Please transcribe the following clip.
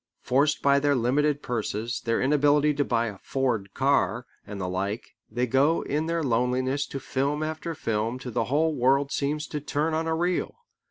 Forced by their limited purses, their inability to buy a Ford car, and the like, they go in their loneliness to film after film till the whole world seems to turn on a reel.